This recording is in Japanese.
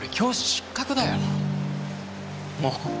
もう。